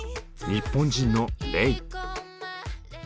日本人のレイ。